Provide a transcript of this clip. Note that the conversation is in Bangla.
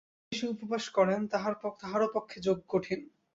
যিনি বেশী উপবাস করেন, তাঁহারও পক্ষে যোগ কঠিন।